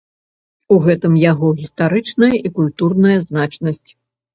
У гэтым яго гістарычная і культурная значнасць.